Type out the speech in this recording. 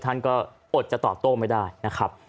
ท่านก็อดจะตอบโต้ไม่ได้นะครับ